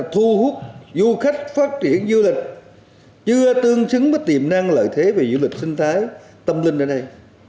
thu hút du khách phát triển du lịch chưa tương xứng với tiềm năng lợi thế về du lịch sinh thái tâm linh ở đây